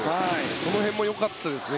その辺もよかったですね。